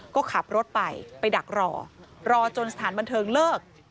ก็ขับรถไปไปดักรอรอจนสถานบันเทิงเลิก